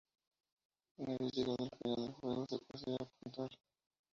Una vez llegado al final del juego se procede a puntuar.